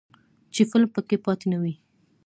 چې فلم پکې پاتې نه وي.